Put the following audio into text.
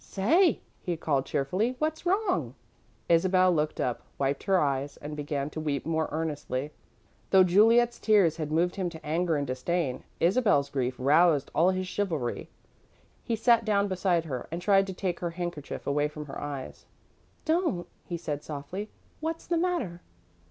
"Say," he called, cheerfully, "what's wrong?" Isabel looked up, wiped her eyes, and began to weep more earnestly. Though Juliet's tears had moved him to anger and disdain, Isabel's grief roused all his chivalry. He sat down beside her and tried to take her handkerchief away from her eyes. "Don't," he said, softly. "What's the matter?"